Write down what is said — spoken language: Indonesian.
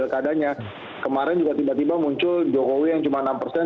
kemarin juga tiba tiba muncul jokowi yang cuma enam persen